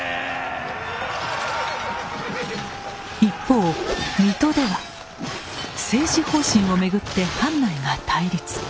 一方水戸では政治方針を巡って藩内が対立。